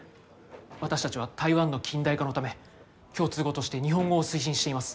私たちは台湾の近代化のため共通語として日本語を推進しています。